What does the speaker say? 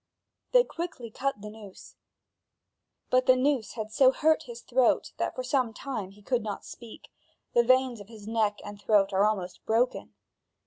They quickly cut the noose; but the noose had so hurt his throat that for some time he could not speak; the veins of his neck and throat are almost broken.